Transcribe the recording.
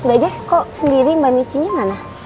bajes kok sendiri mbak micinya mana